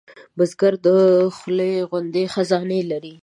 بزګر د خولې غوندې خزانې لري